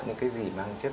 những cái gì mang chất